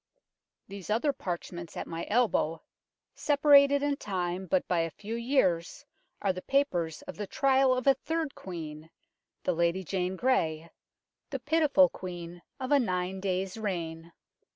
These other parchments at my elbow, separated in time by but a few years, are the papers of the trial of a third Queen the Lady Jane Grey, the pitiful Queen of a nine days' reign.